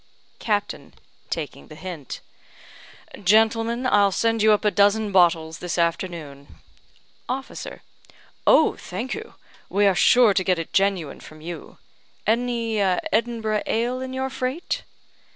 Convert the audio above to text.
Captain (taking the hint): "Gentlemen, I'll send you up a dozen bottles this afternoon." Officer: "Oh, thank you. We are sure to get it genuine from you. Any Edinburgh ale in your freight?"